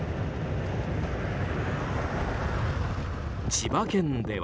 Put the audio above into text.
千葉県では。